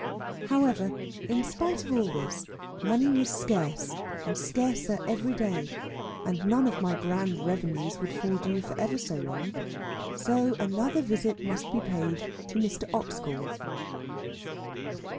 However, in spite of all this, money was scarce and scarcer every day, and none of my grand revenues would fall due for ever so long. So another visit must be paid to Mr. Oxgall.